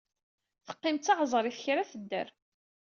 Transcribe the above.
Teqqim d taɛeẓrit kra tedder.